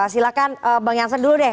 silahkan bang jansen dulu deh